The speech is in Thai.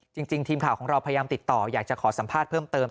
ทีมข่าวของเราพยายามติดต่ออยากจะขอสัมภาษณ์เพิ่มเติม